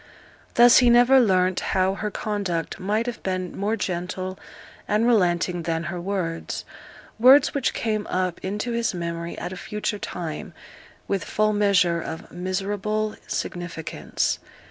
Thus he never learnt how her conduct might have been more gentle and relenting than her words words which came up into his memory at a future time, with full measure of miserable significance.